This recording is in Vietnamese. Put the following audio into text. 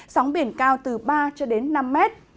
sóng biển cao từ ba năm mét